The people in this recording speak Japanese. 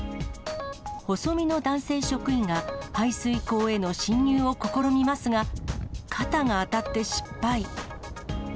細身の男性職員が、排水溝への進入を試みますが、肩が当たって失敗。